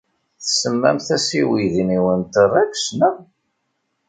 Tsemmamt-as i weydi-nwent Rex, naɣ?